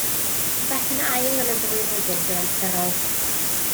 Daeth yn ail yn y ddwy flwyddyn gyfamserol.